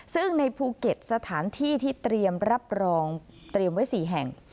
ซึ่งในภูเก็ตสถานที่ที่เตรียมรับรองเตรียมไว้๔แห่ง